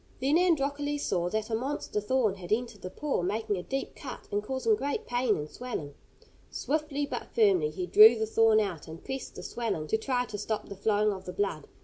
Then Androcles saw that a monster thorn had entered the paw, making a deep cut, and causing great pain and swelling. Swiftly but firmly he drew the thorn out, and pressed the swelling to try to stop the flowing of the blood.